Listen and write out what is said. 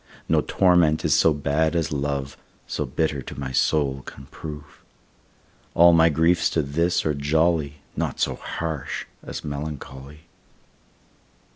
No torment is so bad as love, So bitter to my soul can prove. All my griefs to this are jolly, Naught so harsh as melancholy.